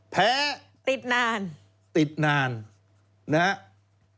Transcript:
แพ้ติดนานนะครับ